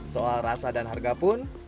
soal rasa dan harga pun